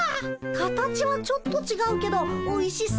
形はちょっとちがうけどおいしそうなプリン！